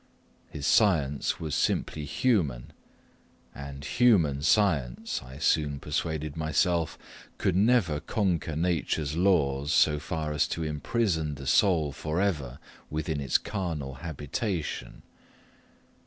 His science was simply human; and human science, I soon persuaded myself, could never conquer nature's laws so far as to imprison the soul for ever within its carnal habitation.